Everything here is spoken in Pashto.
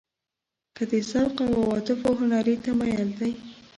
که د ذوق او عواطفو هنري تمایل دی.